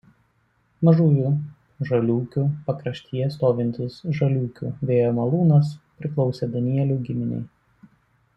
Mažųjų Žaliūkių pakraštyje stovintis Žaliūkių vėjo malūnas priklausė Danielių giminei.